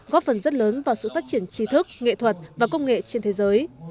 góp phần rất lớn vào sự phát triển trí thức nghệ thuật và công nghệ trên thế giới